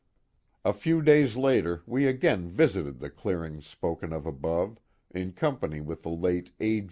A few days later we again visited the clearing spoken of above, in company with the late A.